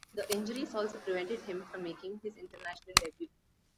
The injuries also prevented him from making his international debut.